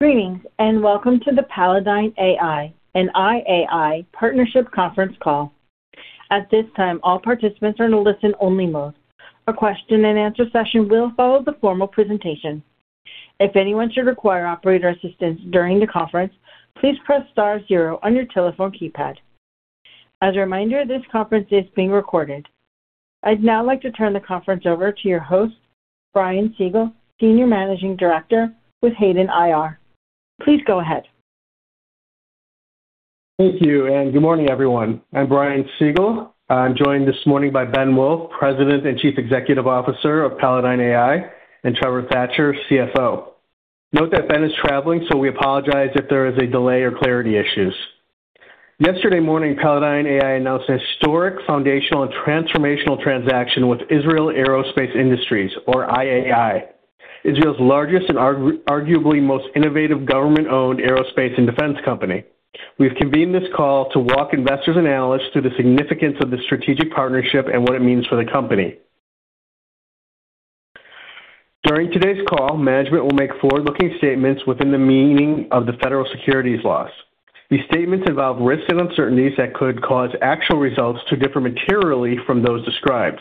Greetings. Welcome to the Palladyne AI and IAI Partnership Conference call. At this time, all participants are in a listen-only mode. A question and answer session will follow the formal presentation. If anyone should require operator assistance during the conference, please press star zero on your telephone keypad. As a reminder, this conference is being recorded. I'd now like to turn the conference over to your host, Brian Siegel, Senior Managing Director with Hayden IR. Please go ahead. Thank you. Good morning, everyone. I'm Brian Siegel. I'm joined this morning by Ben Wolff, President and Chief Executive Officer of Palladyne AI, and Trevor Thatcher, CFO. Note that Ben is traveling. We apologize if there is a delay or clarity issues. Yesterday morning, Palladyne AI announced a historic foundational and transformational transaction with Israel Aerospace Industries, or IAI, Israel's largest and arguably most innovative government-owned aerospace and defense company. We've convened this call to walk investors and analysts through the significance of this strategic partnership and what it means for the company. During today's call, management will make forward-looking statements within the meaning of the federal securities laws. These statements involve risks and uncertainties that could cause actual results to differ materially from those described.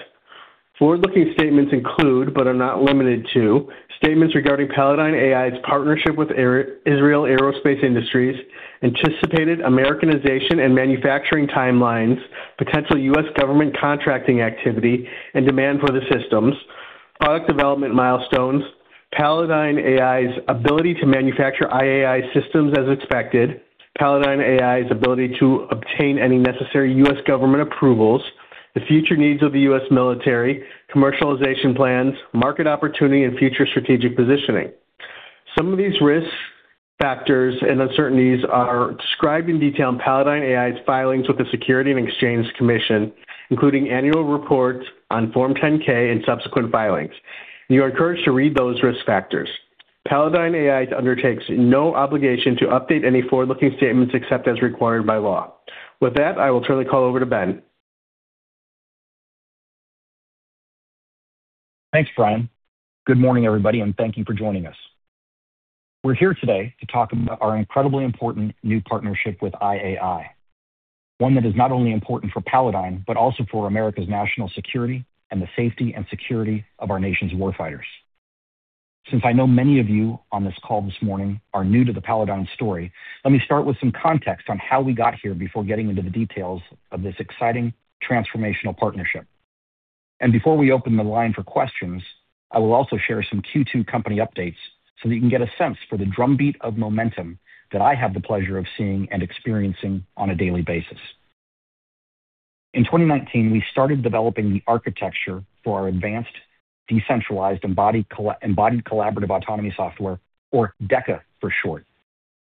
Forward-looking statements include, but are not limited to, statements regarding Palladyne AI's partnership with Israel Aerospace Industries, anticipated Americanization and manufacturing timelines, potential U.S. government contracting activity, and demand for the systems, product development milestones, Palladyne AI's ability to manufacture IAI systems as expected, Palladyne AI's ability to obtain any necessary U.S. government approvals, the future needs of the U.S. military, commercialization plans, market opportunity, and future strategic positioning. Some of these risk factors and uncertainties are described in detail in Palladyne AI's filings with the Securities and Exchange Commission, including annual reports on Form 10-K and subsequent filings. You are encouraged to read those risk factors. Palladyne AI undertakes no obligation to update any forward-looking statements except as required by law. With that, I will turn the call over to Ben. Thanks, Brian. Good morning, everybody. Thank you for joining us. We're here today to talk about our incredibly important new partnership with IAI. One that is not only important for Palladyne, but also for America's national security and the safety and security of our nation's warfighters. Since I know many of you on this call this morning are new to the Palladyne story, let me start with some context on how we got here before getting into the details of this exciting transformational partnership. Before we open the line for questions, I will also share some Q2 company updates so that you can get a sense for the drumbeat of momentum that I have the pleasure of seeing and experiencing on a daily basis. In 2019, we started developing the architecture for our advanced Decentralized Embodied Collaborative Autonomy software, or DECA for short,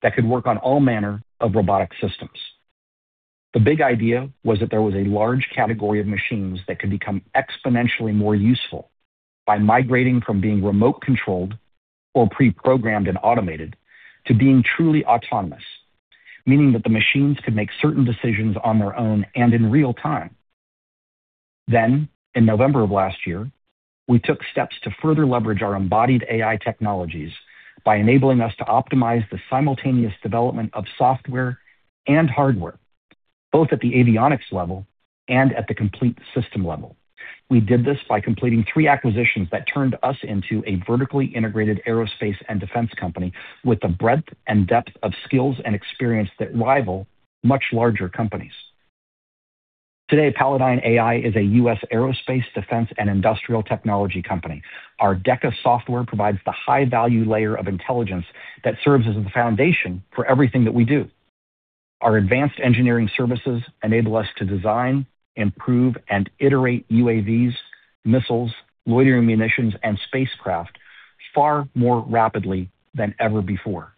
that could work on all manner of robotic systems. The big idea was that there was a large category of machines that could become exponentially more useful by migrating from being remote-controlled or pre-programmed and automated to being truly autonomous, meaning that the machines could make certain decisions on their own and in real-time. In November of last year, we took steps to further leverage our embodied AI technologies by enabling us to optimize the simultaneous development of software and hardware both at the avionics level and at the complete system level. We did this by completing three acquisitions that turned us into a vertically integrated aerospace and defense company with the breadth and depth of skills and experience that rival much larger companies. Today, Palladyne AI is a U.S. aerospace, defense, and industrial technology company. Our DECA software provides the high-value layer of intelligence that serves as the foundation for everything that we do. Our advanced engineering services enable us to design, improve, and iterate UAVs, missiles, loitering munitions, and spacecraft far more rapidly than ever before.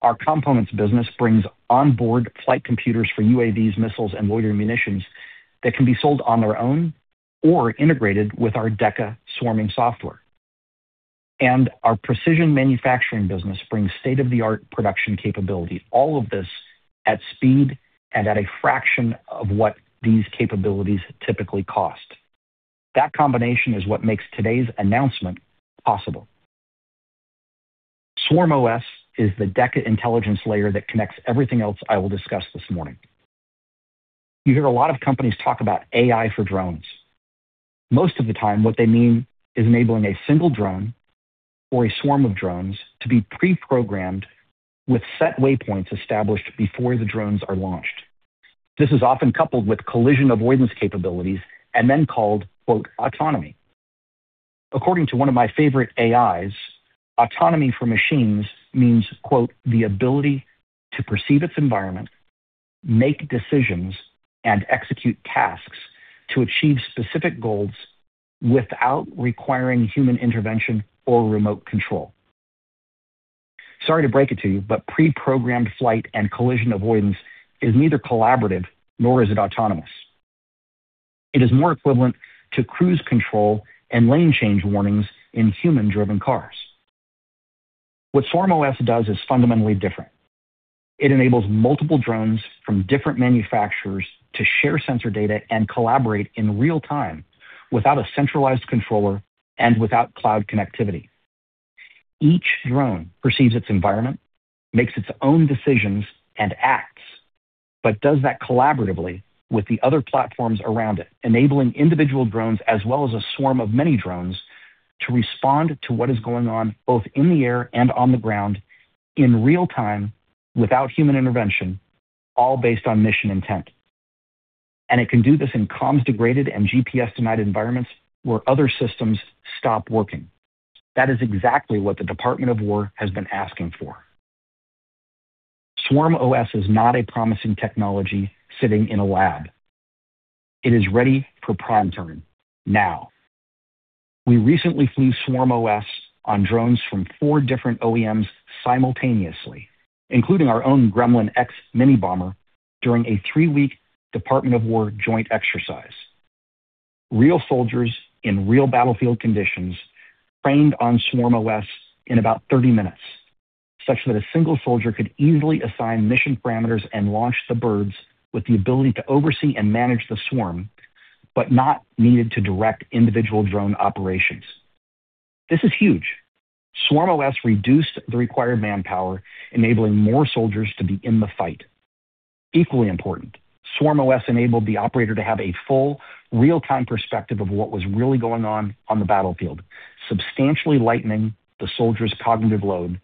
Our components business brings onboard flight computers for UAVs, missiles, and loitering munitions that can be sold on their own or integrated with our DECA swarming software. Our precision manufacturing business brings state-of-the-art production capability, all of this at speed and at a fraction of what these capabilities typically cost. That combination is what makes today's announcement possible. SwarmOS is the DECA intelligence layer that connects everything else I will discuss this morning. You hear a lot of companies talk about AI for drones. Most of the time, what they mean is enabling a single drone or a swarm of drones to be pre-programmed with set waypoints established before the drones are launched. This is often coupled with collision avoidance capabilities and then called, quote, "autonomy." According to one of my favorite AIs, autonomy for machines means, quote, "the ability to perceive its environment, make decisions, and execute tasks to achieve specific goals without requiring human intervention or remote control." Sorry to break it to you, but pre-programmed flight and collision avoidance is neither collaborative nor is it autonomous. It is more equivalent to cruise control and lane change warnings in human-driven cars. What SwarmOS does is fundamentally different. It enables multiple drones from different manufacturers to share sensor data and collaborate in real time without a centralized controller and without cloud connectivity. Each drone perceives its environment, makes its own decisions, and acts, but does that collaboratively with the other platforms around it, enabling individual drones as well as a swarm of many drones to respond to what is going on, both in the air and on the ground, in real time, without human intervention, all based on mission intent. It can do this in comms-degraded and GPS-denied environments where other systems stop working. That is exactly what the Department of Defense has been asking for. SwarmOS is not a promising technology sitting in a lab. It is ready for prime time now. We recently flew SwarmOS on drones from four different OEMs simultaneously, including our own Gremlin-X mini bomber, during a three-week Department of Defense joint exercise. Real soldiers in real battlefield conditions trained on SwarmOS in about 30 minutes, such that a single soldier could easily assign mission parameters and launch the birds with the ability to oversee and manage the swarm, but not needed to direct individual drone operations. This is huge. SwarmOS reduced the required manpower, enabling more soldiers to be in the fight. Equally important, SwarmOS enabled the operator to have a full real-time perspective of what was really going on the battlefield, substantially lightening the soldier's cognitive load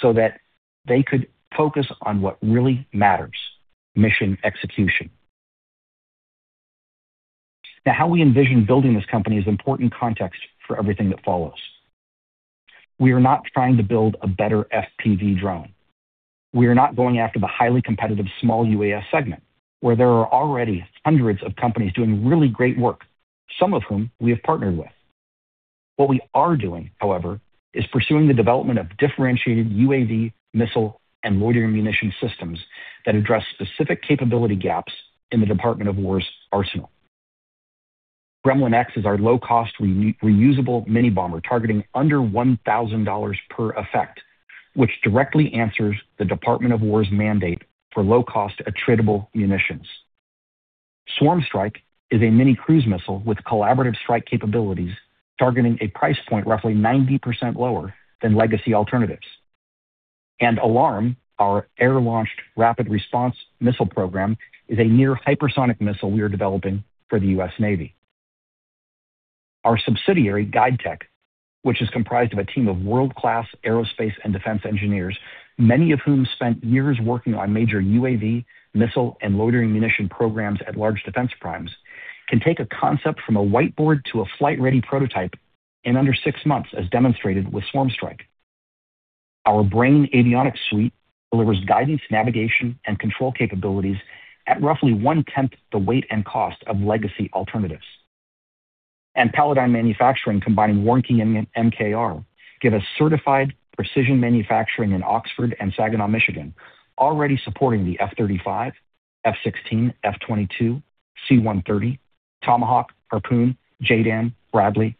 so that they could focus on what really matters, mission execution. How we envision building this company is important context for everything that follows. We are not trying to build a better FPV drone. We are not going after the highly competitive small UAS segment, where there are already hundreds of companies doing really great work, some of whom we have partnered with. What we are doing, however, is pursuing the development of differentiated UAV, missile, and loitering munition systems that address specific capability gaps in the Department of Defense's arsenal. Gremlin-X is our low-cost, reusable mini bomber targeting under $1,000 per effect, which directly answers the Department of Defense's mandate for low-cost, attritable munitions. SwarmStrike is a mini cruise missile with collaborative strike capabilities targeting a price point roughly 90% lower than legacy alternatives. ARRW, our Air-Launched Rapid Response Weapon program, is a near hypersonic missile we are developing for the US Navy. Our subsidiary GuideTech, which is comprised of a team of world-class aerospace and defense engineers, many of whom spent years working on major UAV, missile, and loitering munition programs at large defense primes, can take a concept from a whiteboard to a flight-ready prototype in under six months, as demonstrated with SwarmStrike. Our Brain avionics suite delivers guidance, navigation, and control capabilities at roughly one-tenth the weight and cost of legacy alternatives. Palladyne Manufacturing, combining Warnke and MKR, give us certified precision manufacturing in Oxford and Saginaw, Michigan, already supporting the F-35, F-16, F-22, C-130, Tomahawk, Harpoon, JDAM, Bradley,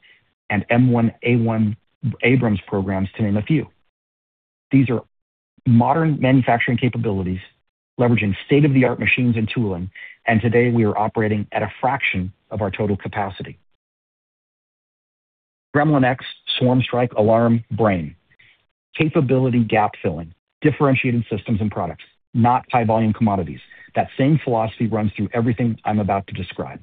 and M1A1 Abrams programs, to name a few. These are modern manufacturing capabilities leveraging state-of-the-art machines and tooling, and today we are operating at a fraction of our total capacity. Gremlin-X, SwarmStrike, ARRW, Brain. Capability gap-filling, differentiated systems and products, not high-volume commodities. That same philosophy runs through everything I'm about to describe.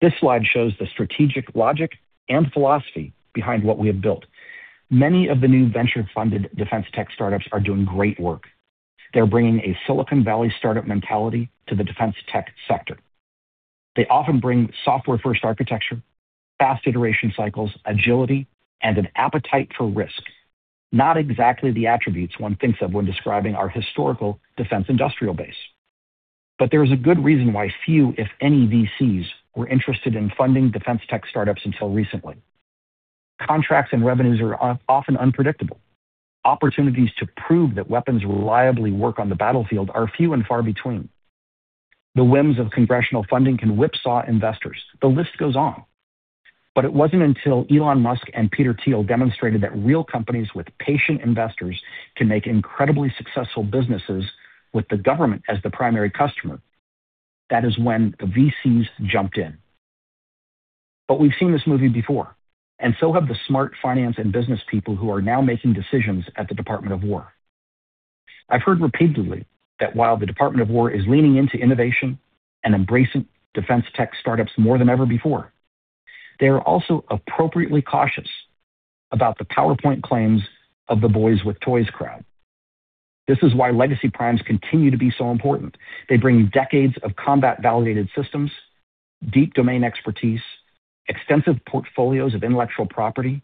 This slide shows the strategic logic and philosophy behind what we have built. Many of the new venture-funded defense tech startups are doing great work. They're bringing a Silicon Valley startup mentality to the defense tech sector. They often bring software-first architecture, fast iteration cycles, agility, and an appetite for risk. Not exactly the attributes one thinks of when describing our historical defense industrial base. There is a good reason why few, if any, VCs were interested in funding defense tech startups until recently. Contracts and revenues are often unpredictable. Opportunities to prove that weapons reliably work on the battlefield are few and far between. The whims of congressional funding can whipsaw investors. The list goes on. It wasn't until Elon Musk and Peter Thiel demonstrated that real companies with patient investors can make incredibly successful businesses with the government as the primary customer. That is when the VCs jumped in. We've seen this movie before, and so have the smart finance and business people who are now making decisions at the Department of War. I've heard repeatedly that while the Department of War is leaning into innovation and embracing defense tech startups more than ever before, they are also appropriately cautious about the PowerPoint claims of the boys with toys crowd. This is why legacy primes continue to be so important. They bring decades of combat-validated systems, deep domain expertise, extensive portfolios of intellectual property,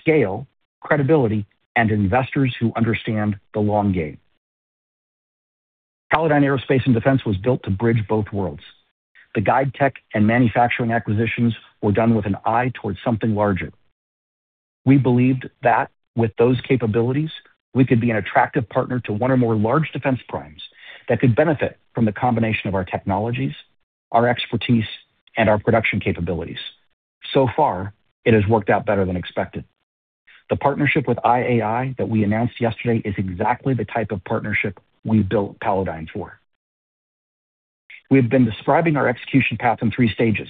scale, credibility, and investors who understand the long game. Palladyne Aerospace & Defense was built to bridge both worlds. The GuideTech and manufacturing acquisitions were done with an eye towards something larger. We believed that with those capabilities, we could be an attractive partner to one or more large defense primes that could benefit from the combination of our technologies, our expertise and our production capabilities. So far, it has worked out better than expected. The partnership with IAI that we announced yesterday is exactly the type of partnership we built Palladyne for. We have been describing our execution path in three stages,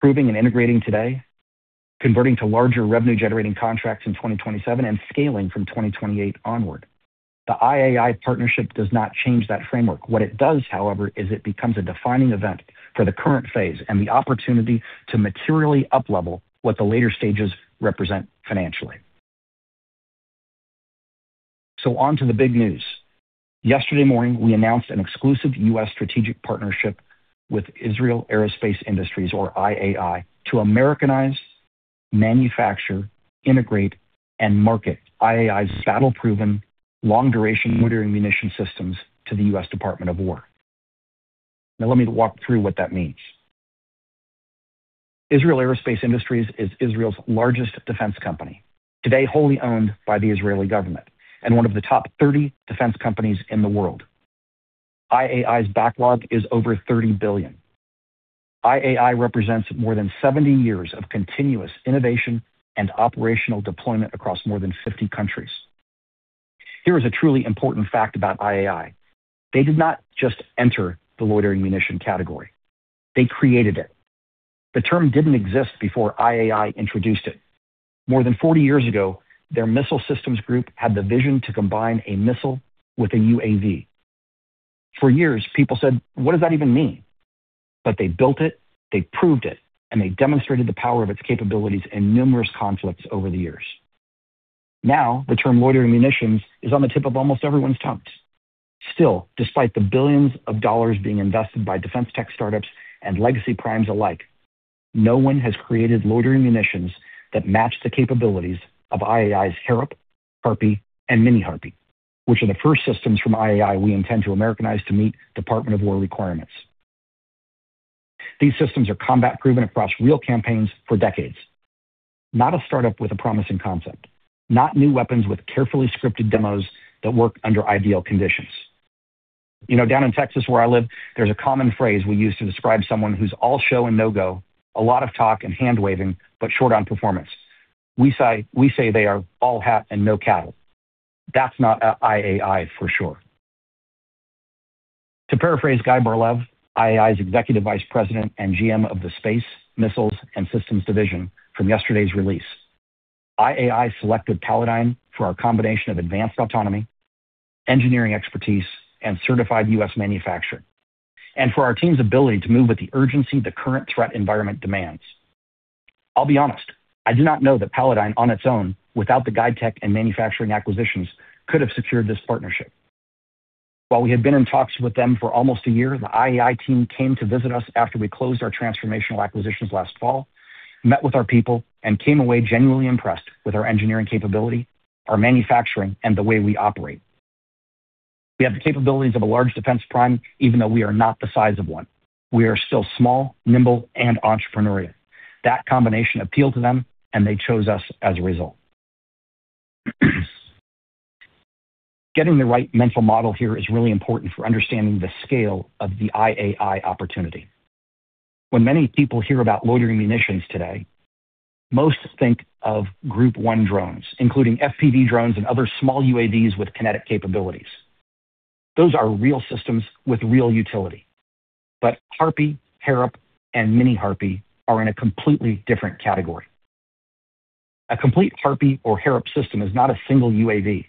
proving and integrating today, converting to larger revenue-generating contracts in 2027, and scaling from 2028 onward. The IAI partnership does not change that framework. What it does however, is it becomes a defining event for the current phase and the opportunity to materially uplevel what the later stages represent financially. On to the big news. Yesterday morning, we announced an exclusive U.S. strategic partnership with Israel Aerospace Industries, or IAI, to Americanize, manufacture, integrate, and market IAI's battle-proven, long-duration loitering munition systems to the U.S. Department of War. Now, let me walk through what that means. Israel Aerospace Industries is Israel's largest defense company, today wholly owned by the Israeli government, and one of the top 30 defense companies in the world. IAI's backlog is over $30 billion. IAI represents more than 70 years of continuous innovation and operational deployment across more than 50 countries. Here is a truly important fact about IAI. They did not just enter the loitering munition category. They created it. The term didn't exist before IAI introduced it. More than 40 years ago, their missile systems group had the vision to combine a missile with a UAV. For years, people said, "What does that even mean?" They built it, they proved it, and they demonstrated the power of its capabilities in numerous conflicts over the years. Now, the term loitering munitions is on the tip of almost everyone's tongues. Still, despite the billions of dollars being invested by defense tech startups and legacy primes alike, no one has created loitering munitions that match the capabilities of IAI's HAROP, HARPY, and Mini HARPY, which are the first systems from IAI we intend to Americanize to meet Department of War requirements. These systems are combat-proven across real campaigns for decades. Not a startup with a promising concept, not new weapons with carefully scripted demos that work under ideal conditions. Down in Texas, where I live, there is a common phrase we use to describe someone who is all show and no go, a lot of talk and hand-waving, but short on performance. We say they are all hat and no cattle. That is not IAI, for sure. To paraphrase Guy Bar Lev, IAI's Executive Vice President and GM of the Space, Missiles, and Systems Division from yesterday's release, IAI selected Palladyne for our combination of advanced autonomy, engineering expertise, and certified U.S. manufacturing, and for our team's ability to move with the urgency the current threat environment demands. I will be honest, I did not know that Palladyne on its own, without the GuideTech and manufacturing acquisitions, could have secured this partnership. While we had been in talks with them for almost a year, the IAI team came to visit us after we closed our transformational acquisitions last fall, met with our people, and came away genuinely impressed with our engineering capability, our manufacturing, and the way we operate. We have the capabilities of a large defense prime, even though we are not the size of one. We are still small, nimble, and entrepreneurial. That combination appealed to them and they chose us as a result. Getting the right mental model here is really important for understanding the scale of the IAI opportunity. When many people hear about loitering munitions today, most think of Group 1 drones, including FPV drones and other small UAVs with kinetic capabilities. Those are real systems with real utility. HARPY, HAROP, and Mini HARPY are in a completely different category. A complete HARPY or HAROP system is not a single UAV.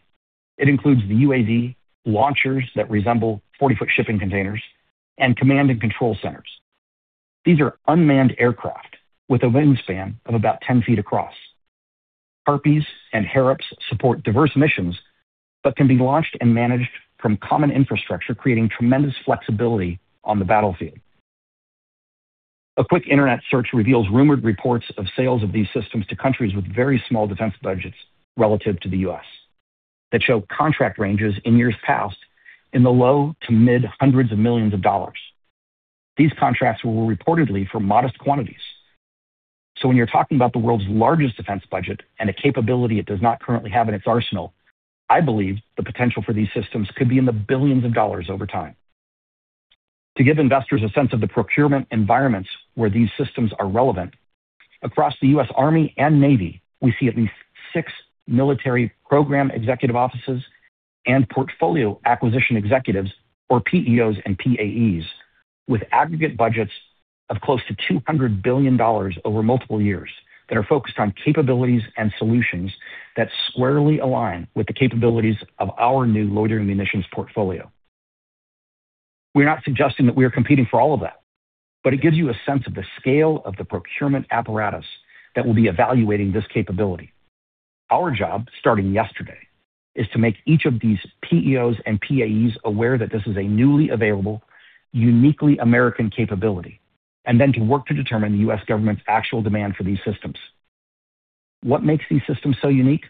It includes the UAV, launchers that resemble 40-foot shipping containers, and command and control centers. These are unmanned aircraft with a wingspan of about 10 feet across. HARPYs and HAROPs support diverse missions but can be launched and managed from common infrastructure, creating tremendous flexibility on the battlefield. A quick internet search reveals rumored reports of sales of these systems to countries with very small defense budgets relative to the U.S. that show contract ranges in years past in the low to mid hundreds of millions of dollars. These contracts were reportedly for modest quantities. When you are talking about the world's largest defense budget and a capability it does not currently have in its arsenal, I believe the potential for these systems could be in the billions of dollars over time. To give investors a sense of the procurement environments where these systems are relevant, across the U.S. Army and Navy, we see at least six military Program Executive Offices and Portfolio Acquisition Executives, or PEOs and PAEs, with aggregate budgets of close to $200 billion over multiple years that are focused on capabilities and solutions that squarely align with the capabilities of our new loitering munitions portfolio. We are not suggesting that we are competing for all of that, but it gives you a sense of the scale of the procurement apparatus that will be evaluating this capability. Our job, starting yesterday, is to make each of these PEOs and PAEs aware that this is a newly available, uniquely American capability, and then to work to determine the U.S. government's actual demand for these systems. What makes these systems so unique?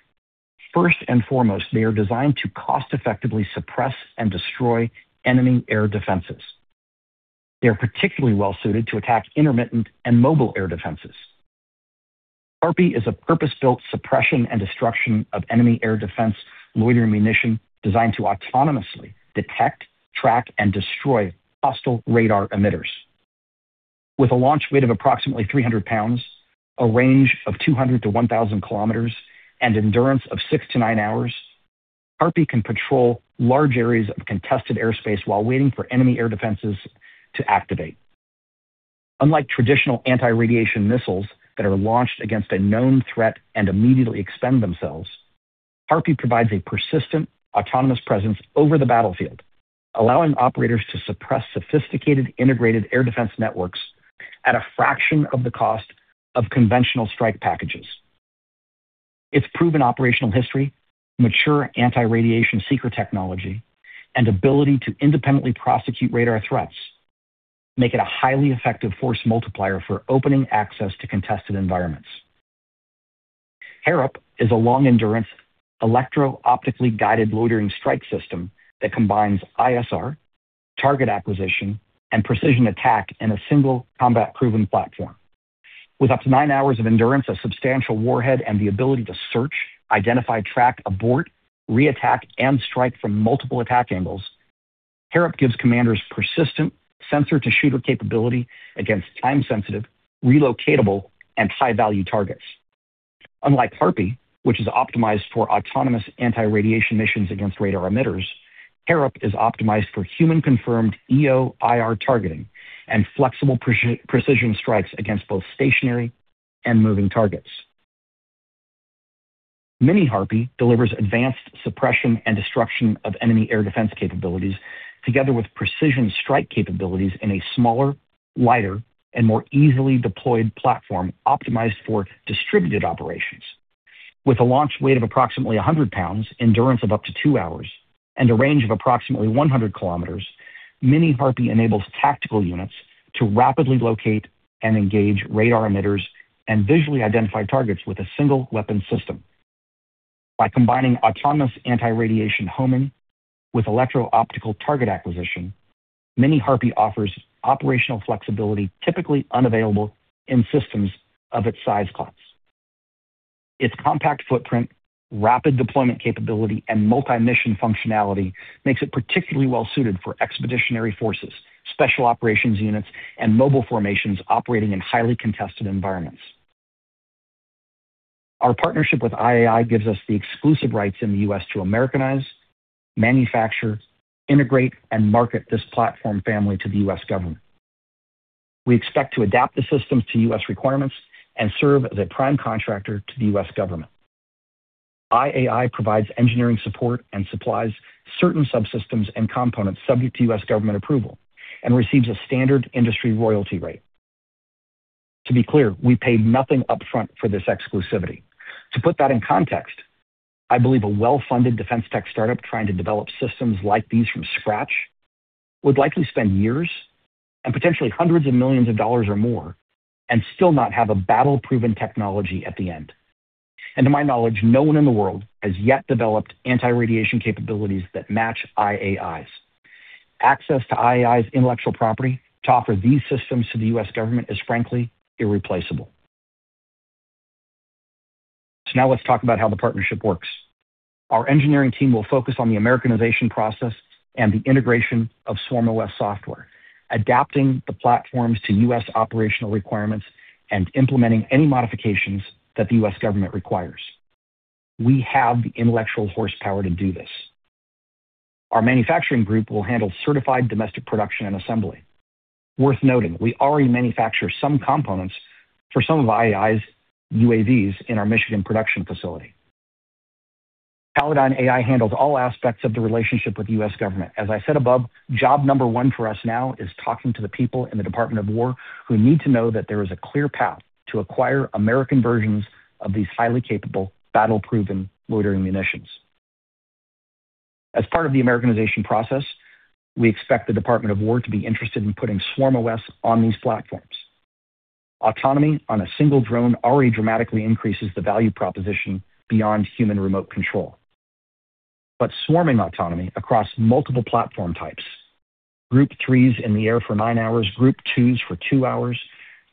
First and foremost, they are designed to cost-effectively suppress and destroy enemy air defenses. They're particularly well-suited to attack intermittent and mobile air defenses. HARPY is a purpose-built suppression and destruction of enemy air defense loitering munition designed to autonomously detect, track, and destroy hostile radar emitters. With a launch weight of approximately 300 pounds, a range of 200 to 1,000 km, and endurance of six to nine hours, HARPY can patrol large areas of contested airspace while waiting for enemy air defenses to activate. Unlike traditional anti-radiation missiles that are launched against a known threat and immediately expend themselves, HARPY provides a persistent, autonomous presence over the battlefield, allowing operators to suppress sophisticated integrated air defense networks at a fraction of the cost of conventional strike packages. Its proven operational history, mature anti-radiation seeker technology, and ability to independently prosecute radar threats make it a highly effective force multiplier for opening access to contested environments. HAROP is a long-endurance, electro-optically guided loitering strike system that combines ISR, target acquisition, and precision attack in a single combat-proven platform. With up to nine hours of endurance, a substantial warhead, and the ability to search, identify, track, abort, re-attack, and strike from multiple attack angles, HAROP gives commanders persistent sensor-to-shooter capability against time-sensitive, relocatable, and high-value targets. Unlike HARPY, which is optimized for autonomous anti-radiation missions against radar emitters, HAROP is optimized for human-confirmed EO/IR targeting and flexible precision strikes against both stationary and moving targets. Mini HARPY delivers advanced suppression and destruction of enemy air defense capabilities together with precision strike capabilities in a smaller, lighter, and more easily deployed platform optimized for distributed operations. With a launch weight of approximately 100 pounds, endurance of up to two hours, and a range of approximately 100 km, Mini HARPY enables tactical units to rapidly locate and engage radar emitters and visually identify targets with a single weapon system. By combining autonomous anti-radiation homing with electro-optical target acquisition, Mini HARPY offers operational flexibility typically unavailable in systems of its size class. Its compact footprint, rapid deployment capability, and multi-mission functionality makes it particularly well-suited for expeditionary forces, special operations units, and mobile formations operating in highly contested environments. Our partnership with IAI gives us the exclusive rights in the U.S. to Americanize, manufacture, integrate, and market this platform family to the U.S. government. We expect to adapt the systems to U.S. requirements and serve as a prime contractor to the U.S. government. IAI provides engineering support and supplies certain subsystems and components subject to U.S. government approval and receives a standard industry royalty rate. To be clear, we paid nothing upfront for this exclusivity. To put that in context, I believe a well-funded defense tech startup trying to develop systems like these from scratch would likely spend years and potentially hundreds of millions of dollars or more, and still not have a battle-proven technology at the end. To my knowledge, no one in the world has yet developed anti-radiation capabilities that match IAI's. Access to IAI's intellectual property to offer these systems to the U.S. government is frankly irreplaceable. Now let's talk about how the partnership works. Our engineering team will focus on the Americanization process and the integration of SwarmOS software, adapting the platforms to U.S. operational requirements and implementing any modifications that the U.S. government requires. We have the intellectual horsepower to do this. Our manufacturing group will handle certified domestic production and assembly. Worth noting, we already manufacture some components for some of IAI's UAVs in our Michigan production facility. Palladyne AI handles all aspects of the relationship with the U.S. government. As I said above, job number one for us now is talking to the people in the Department of Defense who need to know that there is a clear path to acquire American versions of these highly capable, battle-proven loitering munitions. As part of the Americanization process, we expect the Department of Defense to be interested in putting SwarmOS on these platforms. Autonomy on a single drone already dramatically increases the value proposition beyond human remote control. Swarming autonomy across multiple platform types, Group 3s in the air for nine hours, Group 2s for two hours,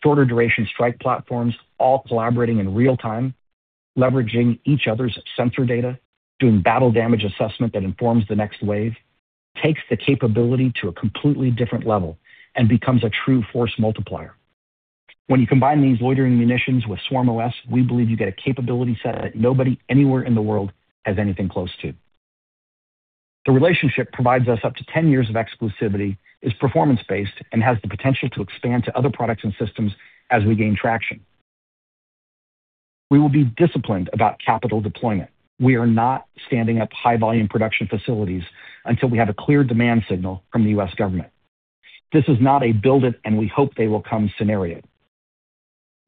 shorter duration strike platforms, all collaborating in real time, leveraging each other's sensor data, doing battle damage assessment that informs the next wave, takes the capability to a completely different level and becomes a true force multiplier. When you combine these loitering munitions with SwarmOS, we believe you get a capability set that nobody anywhere in the world has anything close to. The relationship provides us up to 10 years of exclusivity, is performance-based, and has the potential to expand to other products and systems as we gain traction. We will be disciplined about capital deployment. We are not standing up high-volume production facilities until we have a clear demand signal from the U.S. government. This is not a build it and we hope they will come scenario.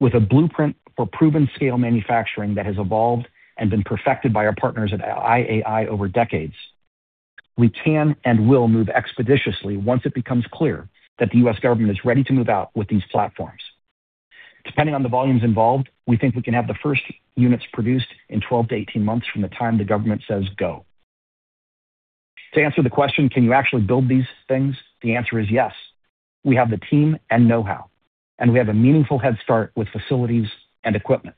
With a blueprint for proven scale manufacturing that has evolved and been perfected by our partners at IAI over decades, we can and will move expeditiously once it becomes clear that the U.S. government is ready to move out with these platforms. Depending on the volumes involved, we think we can have the first units produced in 12 to 18 months from the time the government says go. To answer the question, can you actually build these things? The answer is yes. We have the team and know-how, and we have a meaningful head start with facilities and equipment.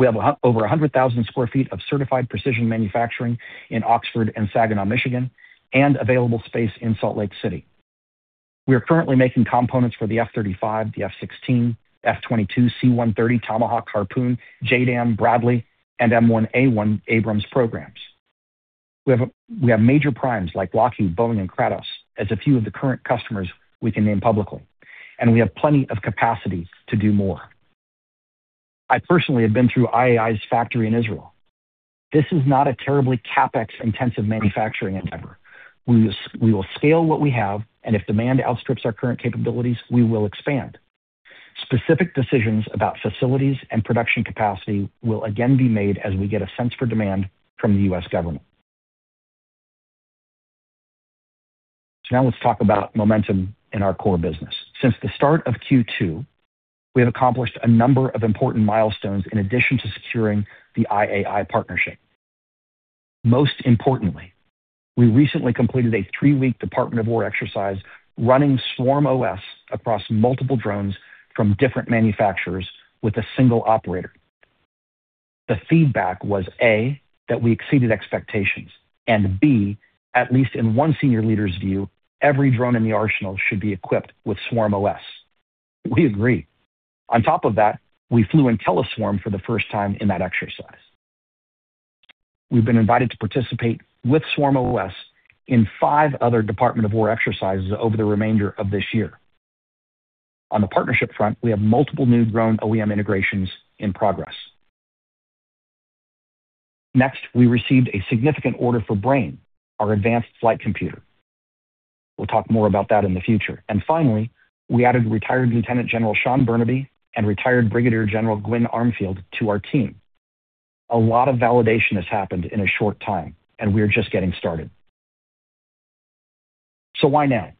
We have over 100,000 sq ft of certified precision manufacturing in Oxford and Saginaw, Michigan, and available space in Salt Lake City. We are currently making components for the F-35, the F-16, F-22, C-130, Tomahawk, Harpoon, JDAM, Bradley, and M1A1 Abrams programs. We have major primes like Lockheed, Boeing, and Kratos as a few of the current customers we can name publicly, and we have plenty of capacity to do more. I personally have been through IAI's factory in Israel. This is not a terribly CapEx-intensive manufacturing endeavor. We will scale what we have, and if demand outstrips our current capabilities, we will expand. Specific decisions about facilities and production capacity will again be made as we get a sense for demand from the U.S. government. Now let's talk about momentum in our core business. Since the start of Q2, we have accomplished a number of important milestones in addition to securing the IAI partnership. Most importantly, we recently completed a three-week Department of Defense exercise running SwarmOS across multiple drones from different manufacturers with a single operator. The feedback was, A, that we exceeded expectations, and B, at least in one senior leader's view, every drone in the arsenal should be equipped with SwarmOS. We agree. On top of that, we flew IntelliSwarm for the first time in that exercise. We've been invited to participate with SwarmOS in five other Department of Defense exercises over the remainder of this year. On the partnership front, we have multiple new drone OEM integrations in progress. Next, we received a significant order for Brain, our advanced flight computer. We'll talk more about that in the future. Finally, we added Retired Lieutenant General Sean Bernabe and Retired Brigadier General Gwyn Armfield to our team. A lot of validation has happened in a short time, and we are just getting started. Why now?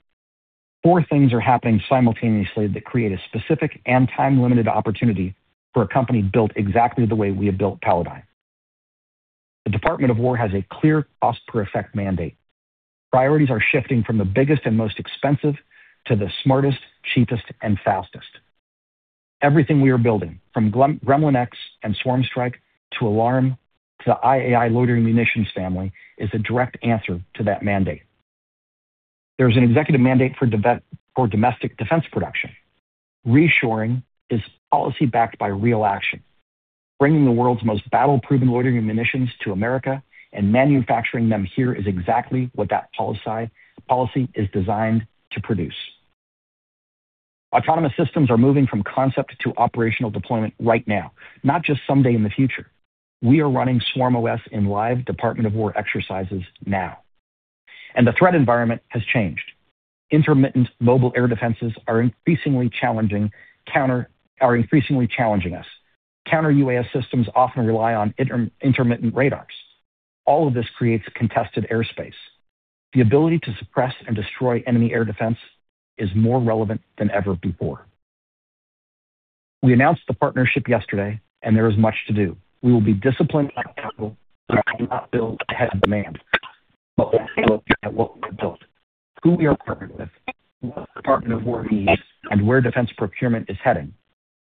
Four things are happening simultaneously that create a specific and time-limited opportunity for a company built exactly the way we have built Palladyne. The Department of Defense has a clear cost per effect mandate. Priorities are shifting from the biggest and most expensive to the smartest, cheapest, and fastest. Everything we are building, from Gremlin-X and SwarmStrike, to ARRW, to the IAI loitering munitions family, is a direct answer to that mandate. There's an executive mandate for domestic defense production. Reshoring is policy backed by real action. Bringing the world's most battle-proven loitering munitions to America and manufacturing them here is exactly what that policy is designed to produce. Autonomous systems are moving from concept to operational deployment right now, not just someday in the future. We are running SwarmOS in live Department of Defense exercises now. The threat environment has changed. Intermittent mobile air defenses are increasingly challenging us. Counter UAS systems often rely on intermittent radars. All of this creates contested airspace. The ability to suppress and destroy enemy air defense is more relevant than ever before. We announced the partnership yesterday. There is much to do. We will be disciplined on capital. We will not build ahead of demand. When you look at what we have built, who we are partnered with, what the Department of Defense needs, and where defense procurement is heading,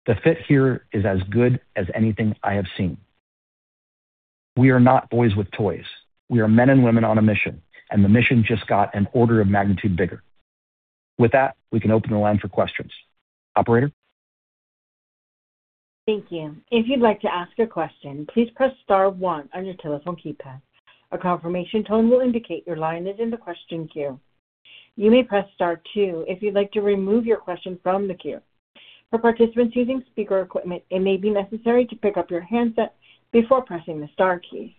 the fit here is as good as anything I have seen. We are not boys with toys. We are men and women on a mission. The mission just got an order of magnitude bigger. With that, we can open the line for questions. Operator? Thank you. If you'd like to ask a question, please press star one on your telephone keypad. A confirmation tone will indicate your line is in the question queue. You may press star two if you'd like to remove your question from the queue. For participants using speaker equipment, it may be necessary to pick up your handset before pressing the star key.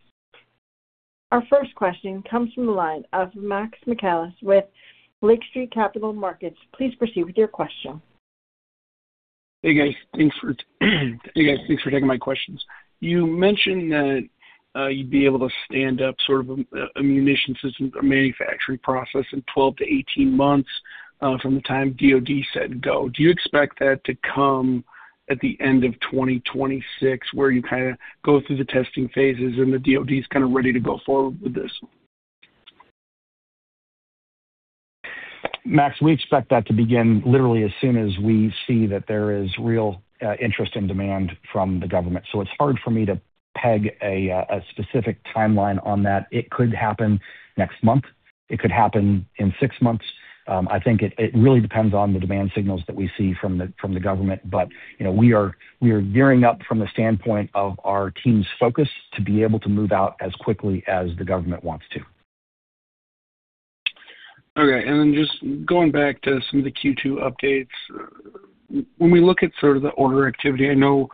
Our first question comes from the line of Max Michaelis with Lake Street Capital Markets. Please proceed with your question. Hey, guys. Thanks for taking my questions. You mentioned that you'd be able to stand up sort of a munitions system, a manufacturing process in 12 to 18 months, from the time DOD said go. Do you expect that to come at the end of 2026, where you kind of go through the testing phases and the DOD's kind of ready to go forward with this? Max, we expect that to begin literally as soon as we see that there is real interest and demand from the government. It's hard for me to peg a specific timeline on that. It could happen next month. It could happen in six months. I think it really depends on the demand signals that we see from the government. We are gearing up from the standpoint of our team's focus to be able to move out as quickly as the government wants to. Okay. Just going back to some of the Q2 updates. When we look at sort of the order activity, I know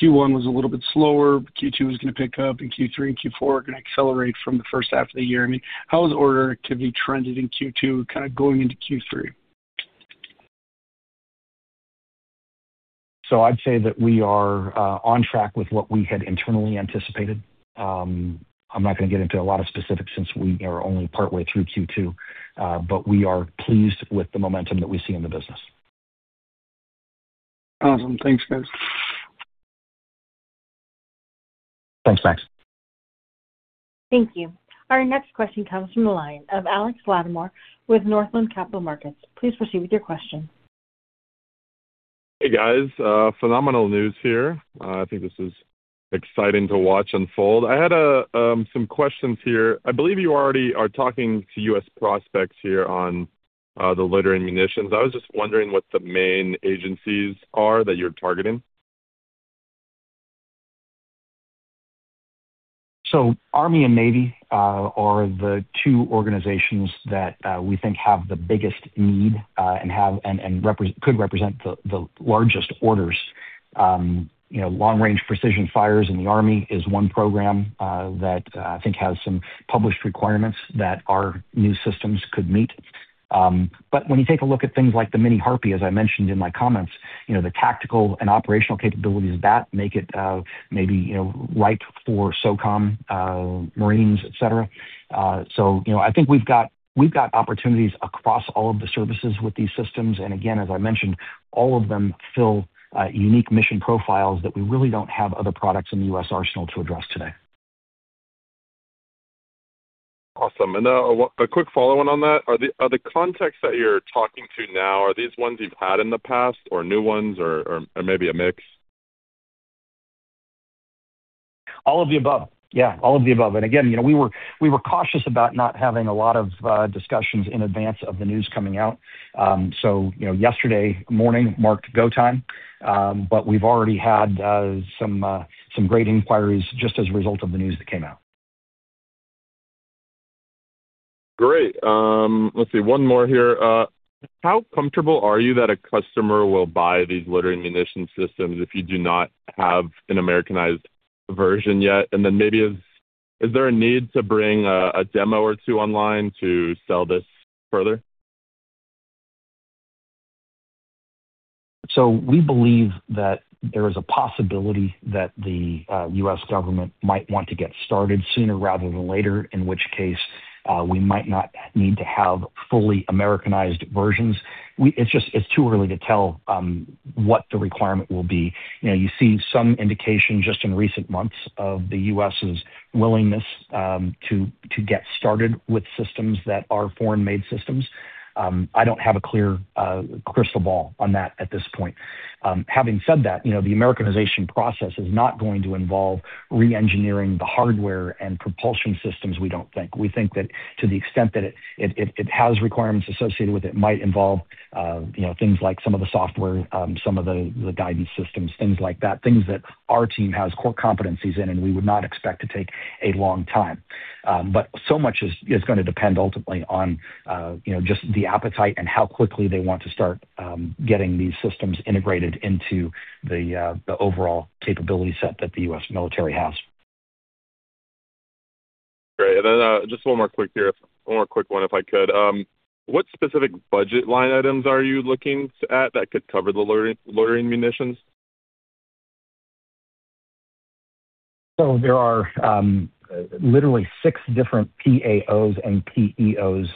Q1 was a little bit slower. Q2 was going to pick up, and Q3 and Q4 are going to accelerate from the first half of the year. How has order activity trended in Q2 going into Q3? I'd say that we are on track with what we had internally anticipated. I'm not going to get into a lot of specifics since we are only partway through Q2. We are pleased with the momentum that we see in the business. Awesome. Thanks, guys. Thanks, Max. Thank you. Our next question comes from the line of Michael Latimore with Northland Capital Markets. Please proceed with your question. Hey, guys. Phenomenal news here. I think this is exciting to watch unfold. I had some questions here. I believe you already are talking to U.S. prospects here on the loitering munitions. I was just wondering what the main agencies are that you're targeting? Army and Navy are the two organizations that we think have the biggest need, and could represent the largest orders. Long-Range Precision Fires in the Army is one program that I think has some published requirements that our new systems could meet. When you take a look at things like the Mini HARPY, as I mentioned in my comments, the tactical and operational capabilities that make it maybe ripe for SOCOM, Marines, et cetera. I think we've got opportunities across all of the services with these systems. Again, as I mentioned, all of them fill unique mission profiles that we really don't have other products in the U.S. arsenal to address today. Awesome. A quick follow-on on that. Are the contacts that you're talking to now, are these ones you've had in the past or new ones or maybe a mix? All of the above. Yeah. All of the above. Again, we were cautious about not having a lot of discussions in advance of the news coming out. Yesterday morning marked go time. We've already had some great inquiries just as a result of the news that came out. Great. Let's see. One more here. How comfortable are you that a customer will buy these loitering munition systems if you do not have an Americanized version yet? Then maybe, is there a need to bring a demo or two online to sell this further? We believe that there is a possibility that the U.S. government might want to get started sooner rather than later, in which case, we might not need to have fully Americanized versions. It is too early to tell what the requirement will be. You see some indication just in recent months of the U.S.'s willingness to get started with systems that are foreign-made systems. I do not have a clear crystal ball on that at this point. Having said that, the Americanization process is not going to involve re-engineering the hardware and propulsion systems, we do not think. We think that to the extent that it has requirements associated with it might involve things like some of the software, some of the guidance systems, things like that, things that our team has core competencies in, and we would not expect to take a long time. So much is going to depend ultimately on just the appetite and how quickly they want to start getting these systems integrated into the overall capability set that the U.S. military has. Great. Just one more quick here. One more quick one, if I could. What specific budget line items are you looking at that could cover the loitering munitions? There are literally six different PAEs and PEOs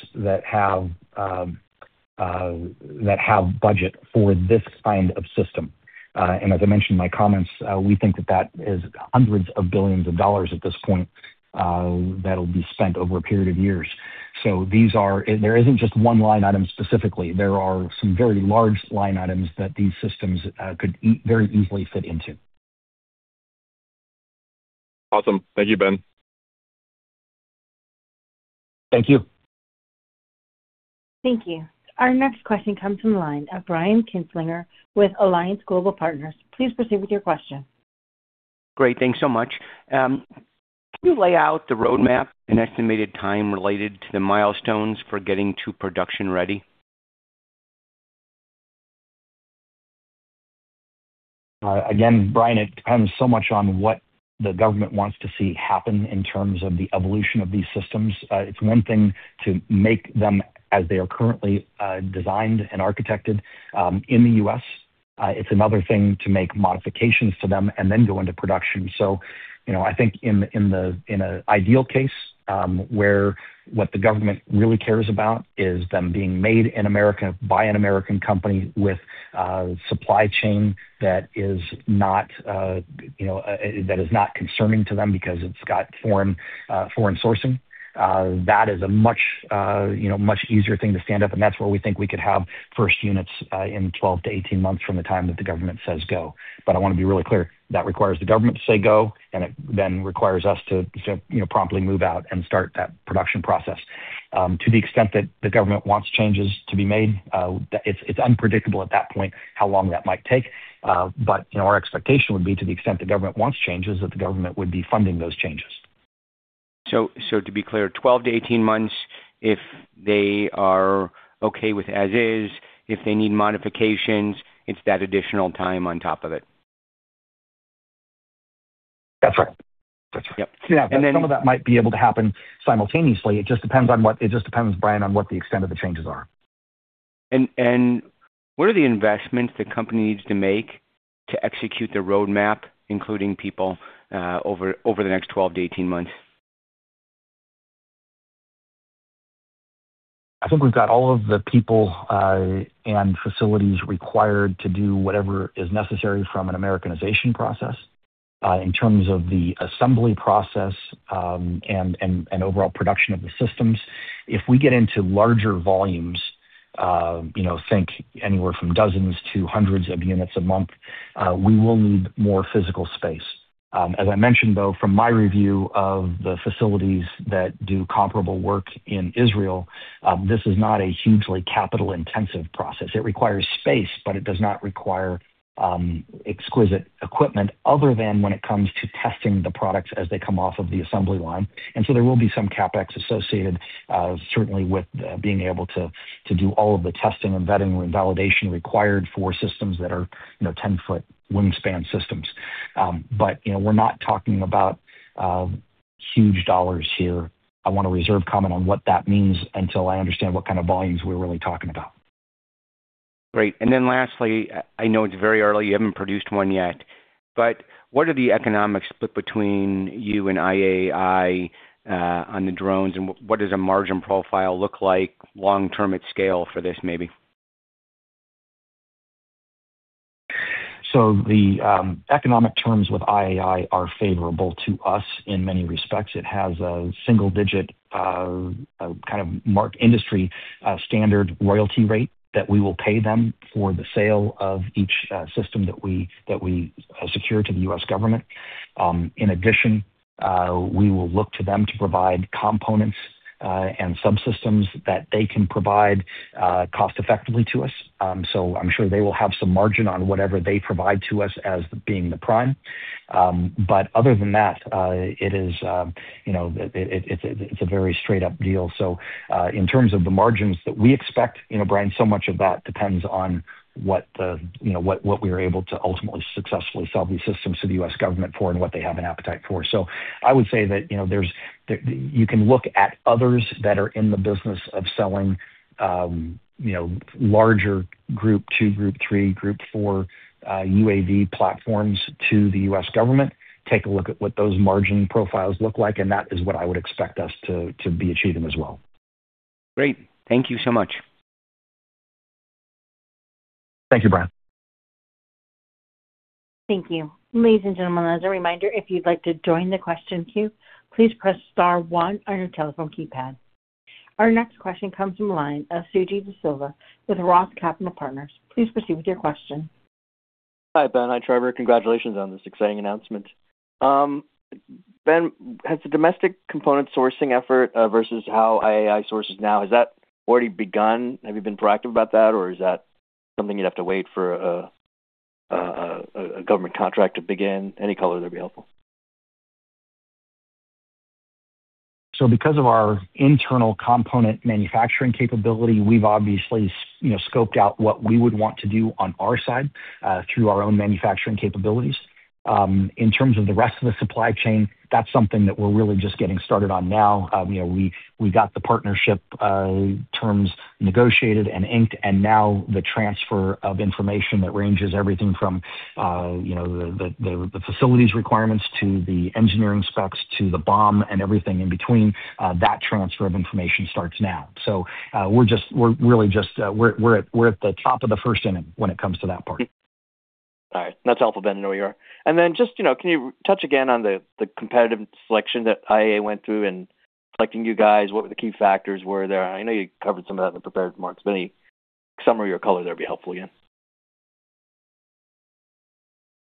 that have budget for this kind of system. As I mentioned in my comments, we think that that is hundreds of billions of dollars at this point that will be spent over a period of years. There is not just one line item specifically. There are some very large line items that these systems could very easily fit into. Awesome. Thank you, Ben. Thank you. Thank you. Our next question comes from the line of Brian Kinstlinger with Alliance Global Partners. Please proceed with your question. Great. Thanks so much. Can you lay out the roadmap and estimated time related to the milestones for getting to production ready? Brian, it depends so much on what the government wants to see happen in terms of the evolution of these systems. It's one thing to make them as they are currently designed and architected in the U.S. It's another thing to make modifications to them and then go into production. I think in an ideal case, where what the government really cares about is them being made in America by an American company with a supply chain that is not concerning to them because it's got foreign sourcing. That is a much easier thing to stand up, and that's where we think we could have first units in 12 to 18 months from the time that the government says go. I want to be really clear, that requires the government to say go and it then requires us to promptly move out and start that production process. To the extent that the government wants changes to be made, it's unpredictable at that point how long that might take. Our expectation would be to the extent the government wants changes, that the government would be funding those changes. To be clear, 12 to 18 months, if they are okay with as is. If they need modifications, it's that additional time on top of it. That's right. Yep. Some of that might be able to happen simultaneously. It just depends, Brian, on what the extent of the changes are. What are the investments the company needs to make to execute the roadmap, including people, over the next 12 to 18 months? I think we've got all of the people and facilities required to do whatever is necessary from an Americanization process. In terms of the assembly process and overall production of the systems, if we get into larger volumes, think anywhere from dozens to hundreds of units a month, we will need more physical space. As I mentioned, though, from my review of the facilities that do comparable work in Israel, this is not a hugely capital-intensive process. It requires space, but it does not require exquisite equipment other than when it comes to testing the products as they come off of the assembly line. There will be some CapEx associated certainly with being able to do all of the testing and vetting and validation required for systems that are 10-foot wingspan systems. We're not talking about huge dollars here. I want to reserve comment on what that means until I understand what kind of volumes we're really talking about. Lastly, I know it's very early, you haven't produced one yet, but what are the economics split between you and IAI on the drones, and what does a margin profile look like long-term at scale for this, maybe? The economic terms with IAI are favorable to us in many respects. It has a single-digit kind of mark industry standard royalty rate that we will pay them for the sale of each system that we secure to the U.S. government. In addition, we will look to them to provide components and subsystems that they can provide cost-effectively to us. I'm sure they will have some margin on whatever they provide to us as being the prime. Other than that, it's a very straight-up deal. In terms of the margins that we expect, Brian, so much of that depends on what we are able to ultimately successfully sell these systems to the U.S. government for and what they have an appetite for. I would say that you can look at others that are in the business of selling larger Group 2, Group 3, Group 4 UAV platforms to the U.S. government. Take a look at what those margin profiles look like, and that is what I would expect us to be achieving as well. Great. Thank you so much. Thank you, Brian. Thank you. Ladies and gentlemen, as a reminder, if you'd like to join the question queue, please press star one on your telephone keypad. Our next question comes from the line of Suji Desilva with Roth Capital Partners. Please proceed with your question. Hi, Ben. Hi, Trevor. Congratulations on this exciting announcement. Ben, has the domestic component sourcing effort versus how IAI sources now, has that already begun? Have you been proactive about that or is that something you'd have to wait for a government contract to begin? Any color there would be helpful. Because of our internal component manufacturing capability, we've obviously scoped out what we would want to do on our side through our own manufacturing capabilities. In terms of the rest of the supply chain, that's something that we're really just getting started on now. We got the partnership terms negotiated and inked, now the transfer of information that ranges everything from the facilities requirements to the engineering specs to the BOM and everything in between. That transfer of information starts now. We're at the top of the first inning when it comes to that part. All right. That's helpful, Ben, to know where you are. Just, can you touch again on the competitive selection that IAI went through in selecting you guys? What were the key factors were there? I know you covered some of that in the prepared remarks, any summary or color there would be helpful, yeah.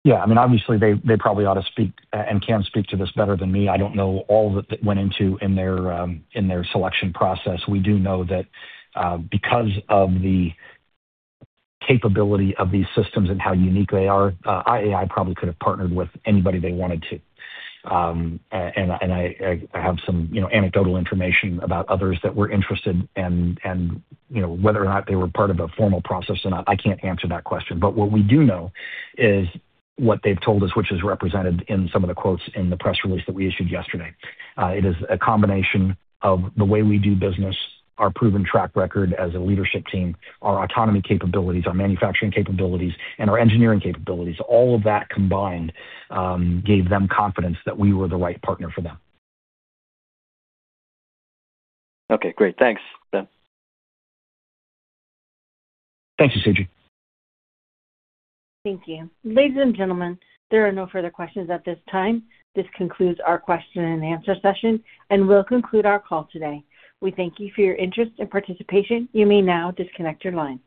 Yeah, obviously they probably ought to speak and can speak to this better than me. I don't know all that went into in their selection process. We do know that because of the capability of these systems and how unique they are, IAI probably could have partnered with anybody they wanted to. I have some anecdotal information about others that were interested and whether or not they were part of a formal process or not, I can't answer that question. What we do know is what they've told us, which is represented in some of the quotes in the press release that we issued yesterday. It is a combination of the way we do business, our proven track record as a leadership team, our autonomy capabilities, our manufacturing capabilities, and our engineering capabilities. All of that combined gave them confidence that we were the right partner for them. Okay, great. Thanks, Ben. Thank you, Suji. Thank you. Ladies and gentlemen, there are no further questions at this time. This concludes our question and answer session. We'll conclude our call today. We thank you for your interest and participation. You may now disconnect your lines.